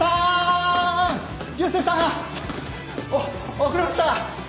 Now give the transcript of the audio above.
お遅れました！